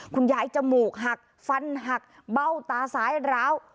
จมูกหักฟันหักเบ้าตาซ้ายร้าว